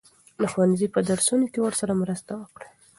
د ښوونځي په درسونو کې ورسره مرسته وکړئ.